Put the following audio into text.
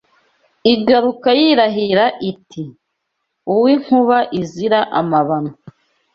Igaruka yirahira iti uw, inkuba izira amabano